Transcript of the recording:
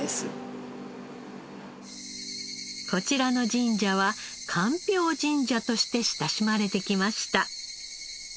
こちらの神社はかんぴょう神社として親しまれてきました。